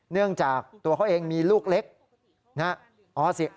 เนื่องจากตัวเขาเองมีลูกเล็กนะครับ